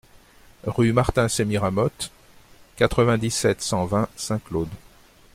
Rue Martin Semiramoth, quatre-vingt-dix-sept, cent vingt Saint-Claude